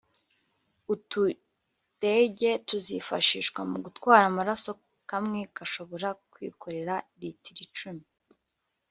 utudege tuzifashishwa mu gutwara amaraso kamwe gashobora kwikorera litiro icumi